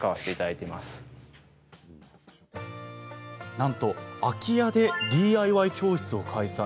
なんと、空き家でＤＩＹ教室を開催。